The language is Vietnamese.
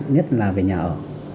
nhất là về nhà ở